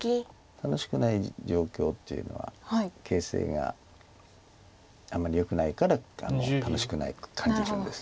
楽しくない状況っていうのは形勢があんまりよくないから楽しくないと感じるんです。